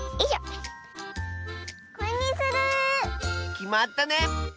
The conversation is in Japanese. きまったね！